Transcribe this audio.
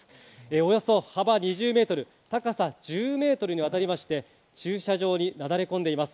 およそ幅２０ｍ、高さ１０ｍにわたりまして駐車場に流れ込んでいます。